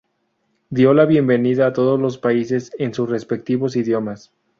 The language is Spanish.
Dio la bienvenida a todos los países en sus respectivos idiomas.